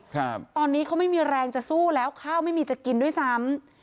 ครับตอนนี้เขาไม่มีแรงจะสู้แล้วข้าวไม่มีจะกินด้วยซ้ำ